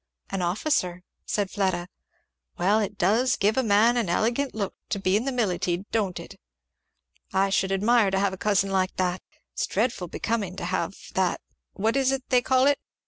"An officer," said Fleda. "Well, it does give a man an elegant look to be in the militie, don't it? I should admire to have a cousin like that. It's dreadful becoming to have that what is it they call it?